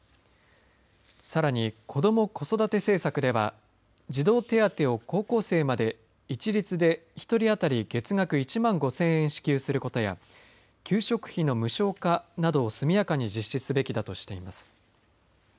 さらに、子ども・子育て政策では児童手当を高校生まで一律で１人当たり月額１万５０００円支給することや給食費の無償化などを速やかに実施すべきだとしています。